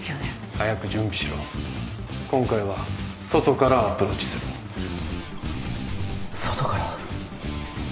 早く準備しろ今回は外からアプローチする外から？